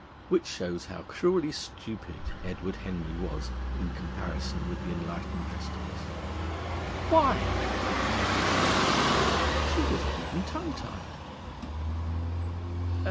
Which shows how cruelly stupid Edward Henry was in comparison with the enlightened rest of us. Why (he protested secretly), she was even tongue tied!